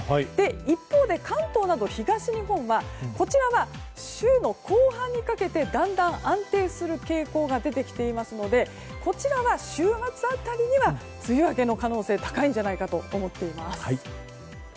一方で、関東など東日本は週の後半にかけてだんだん、安定する傾向が出てきていますのでこちらは週末辺りには梅雨明けの可能性が高いんじゃないかと思っています。